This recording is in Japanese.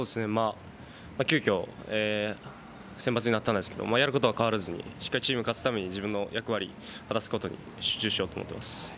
急きょ先発になったんですけどやることは変わらずにしっかりチームが勝つために自分の役割を果たすことに集中しようと思っています。